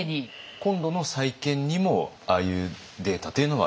今度の再建にもああいうデータというのは生かされる？